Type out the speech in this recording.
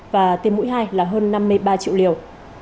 và tiêm mũi hai là hơn năm mươi ba triệu liều